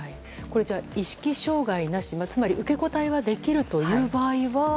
じゃあ意識障害なしつまり受け答えできる場合は。